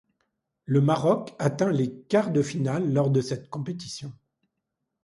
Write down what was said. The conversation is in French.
Le Maroc atteint les quarts de finale lors de cette compétition.